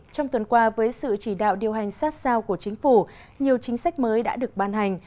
trong tuần qua với sự chỉ đạo điều hành sát sao của chính phủ nhiều chính sách mới đã được ban hành